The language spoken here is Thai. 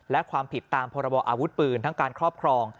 และความผิดตามพรบออาวุธปืนทั้งการครอบครอง